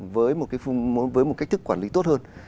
với một cách thức quản lý tốt hơn